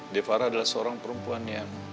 devara adalah seorang perempuan yang